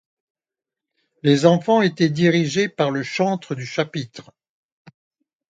Les enfants étaient dirigés par le chantre du chapitre.